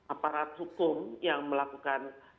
aparat hukum yang melakukan